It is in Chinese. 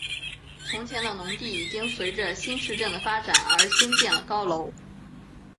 从前的农地已经随着新市镇的发展而兴建了高楼。